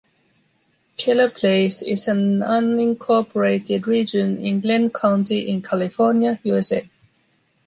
Keller Place is an unincorporated region in Glenn County, in California, USA.